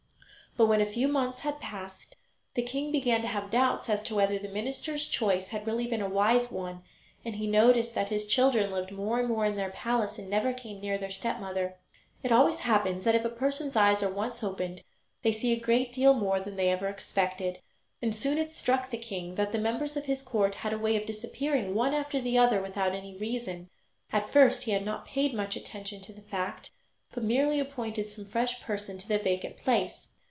But when a few months had passed the king began to have doubts as to whether the minister's choice had really been a wise one, and he noticed that his children lived more and more in their palace and never came near their stepmother. It always happens that if a person's eyes are once opened they see a great deal more than they ever expected; and soon it struck the king that the members of his court had a way of disappearing one after the other without any reason. At first he had not paid much attention to the fact, but merely appointed some fresh person to the vacant place.